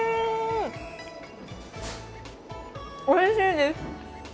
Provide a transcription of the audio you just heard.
おいしいです。